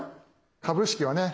株式はね